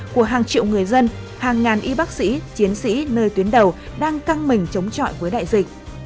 của hàng triệu người dân hàng ngàn y bác sĩ chiến sĩ nơi tuyến đầu đang căng mình chống chọi với đại dịch